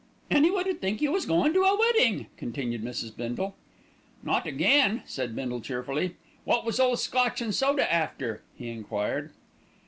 "Anyone would think you was goin' to a weddin'," continued Mrs. Bindle. "Not again," said Bindle cheerfully. "Wot was ole Scotch an' Soda after?" he enquired.